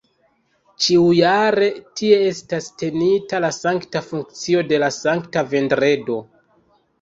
Ĉiujare tie estas tenita la sankta funkcio de la Sankta Vendredo.